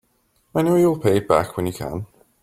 I know you'll pay it back when you can.